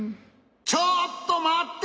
ちょっとまって！